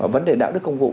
vấn đề đạo đức công vụ